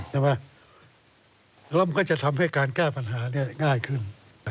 แล้วมันก็จะทำให้การแก้ปัญหาง่ายขึ้น